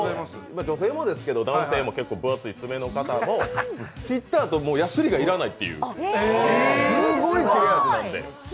女性もですけど、男性の結構分厚い爪の方も切ったあと、やすりが要らないというすごい切れ味なんで。